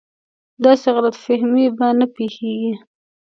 داسې غلط فهمي به نه پېښېږي.